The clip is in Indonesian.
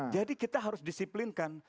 jadi kita harus disiplinkan